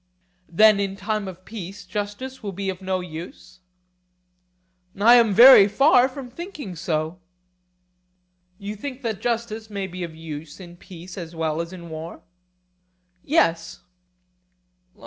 Then in time of peace justice will be of no use? I am very far from thinking so. You think that justice may be of use in peace as well as in war? Yes.